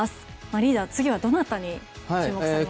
リーダー、次はどなたに注目されましたか？